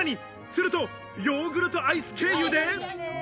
するとヨーグルトアイス経由で。